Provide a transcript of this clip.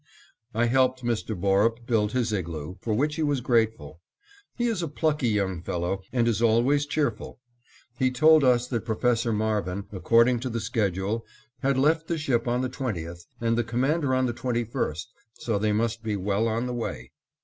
I helped Mr. Borup build his igloo, for which he was grateful. He is a plucky young fellow and is always cheerful. He told us that Professor Marvin, according to the schedule, had left the ship on the 20th, and the Commander on the 21st, so they must be well on the way.